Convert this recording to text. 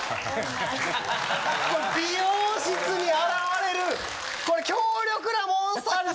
美容室に現れるこれ強力なモンスターです。